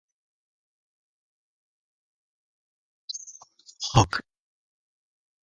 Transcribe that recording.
One story states that Viroqua was the name of the daughter of Black Hawk.